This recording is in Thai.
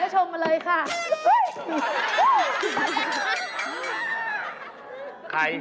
เฮ่ย